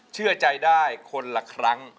เชื่อใจได้คนละครั้ง